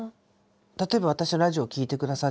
例えば私のラジオを聴いてくださってる方